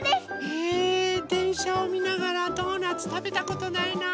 へぇでんしゃをみながらドーナツたべたことないな。